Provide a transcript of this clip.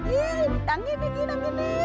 ia jangan di atas